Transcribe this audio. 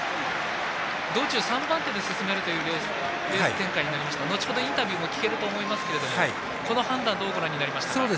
道中３番手でレースを進めるという展開でしたが後ほど、インタビューも聞けると思いますけどこの判断どうご覧になりましたか？